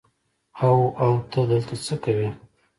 او او ته دلته څه کوې.